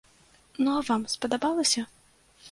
Ну а вам спадабалася?